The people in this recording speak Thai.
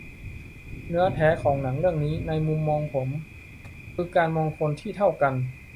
เนื้อแท้ของหนังเรื่องนี้ในมุมมองผมคือการมองคนที่เท่ากัน